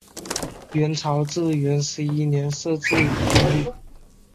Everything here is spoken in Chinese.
元朝至元十一年设置武定路。